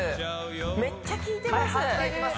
めっちゃきいてます